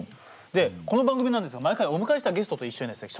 でこの番組なんですが毎回お迎えしたゲストと一緒にですね